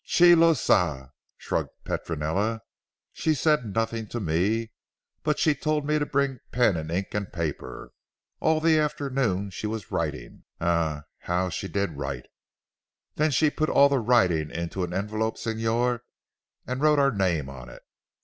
"Chi lo sa," shrugged Petronella, "she said nothing to me. But she told me to bring pen and ink and paper. All the afternoon she was writing. Eh, how she did write! Then she put all the writing into an envelope Signor, and wrote our name on it.